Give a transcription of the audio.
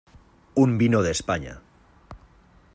un vino de España.